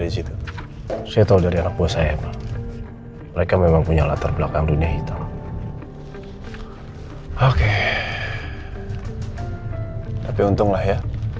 supaya lo tau kalo gua gak rasa agut pautnya